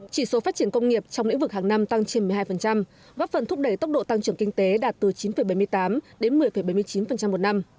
chỉ số phát triển công nghiệp trong lĩnh vực hàng năm tăng trên một mươi hai góp phần thúc đẩy tốc độ tăng trưởng kinh tế đạt từ chín bảy mươi tám đến một mươi bảy mươi chín một năm